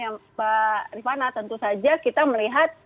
ya mbak rifana tentu saja kita melihat